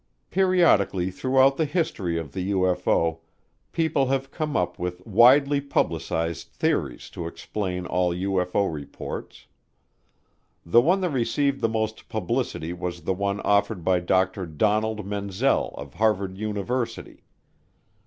Periodically throughout the history of the UFO people have come up with widely publicized theories to explain all UFO reports. The one that received the most publicity was the one offered by Dr. Donald Menzel of Harvard University.